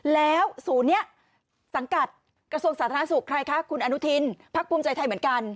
แล้วศูนย์นี้สังกัดกระทรวงสาธารณสุขใครคะคุณอนุทินพักภูมิใจไทยเหมือนกัน